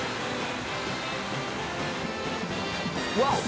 ワオ！